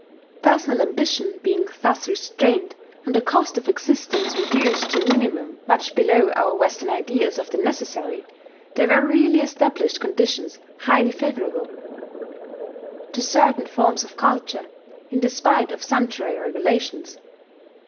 Personal ambition being thus restrained, and the cost of existence reduced to a minimum much below our Western ideas of the necessary, there were really established conditions highly favourable to certain forms of culture, in despite of sumptuary regulations.